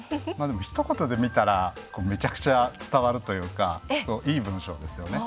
ひと言で見たらめちゃくちゃ伝わるというかいい文章ですよね。